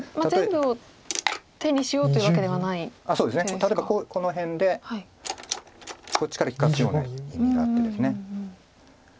例えばこの辺でこっちから利かすような意味があってです。